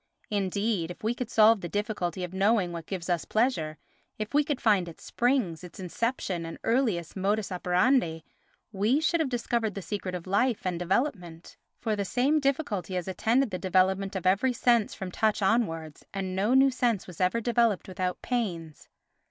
Indeed, if we could solve the difficulty of knowing what gives us pleasure, if we could find its springs, its inception and earliest modus operandi, we should have discovered the secret of life and development, for the same difficulty has attended the development of every sense from touch onwards, and no new sense was ever developed without pains.